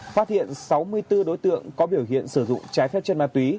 phát hiện sáu mươi bốn đối tượng có biểu hiện sử dụng trái phép chất ma túy